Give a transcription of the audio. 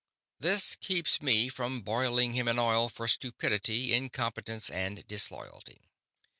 this keeps me from boiling him in oil for stupidity, incompetence, and disloyalty."